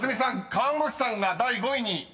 「看護師さん」が第５位に］